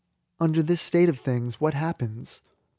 Under this state of things, what happens?